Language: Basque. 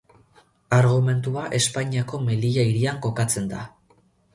Argumentua Espainiako Melilla hirian kokatzen da.